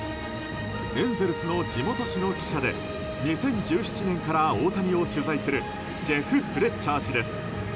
エンゼルスの地元紙の記者で２０１７年から大谷を取材するジェフ・フレッチャー氏です。